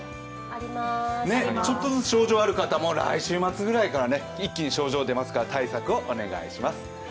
ちょっとずつ症状がある人たちも来週辺りから一気に症状が出ますから対策をお願いします。